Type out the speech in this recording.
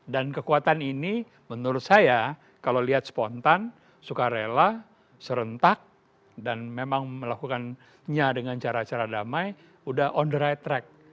dan kekuatan ini menurut saya kalau lihat spontan suka rela serentak dan memang melakukannya dengan cara cara damai sudah on the right track